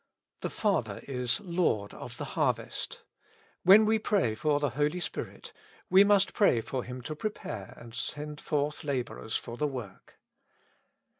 The Father is Lord of the harvest ; when we pray for the Holy Spirit, we must pray for Him to prepare and send forth laborers for the work.